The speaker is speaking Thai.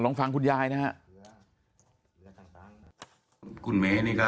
ลองฟังคุณยายนะฮะ